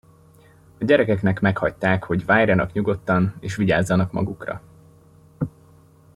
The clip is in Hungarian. A gyerekeknek meghagyták, hogy várjanak nyugodtan, és vigyázzanak magukra.